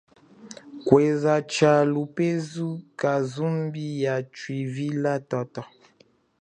Kwenda tshalupezu kasumbi ya tshivila toto.